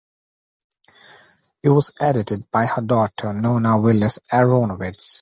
It was edited by her daughter Nona Willis-Aronowitz.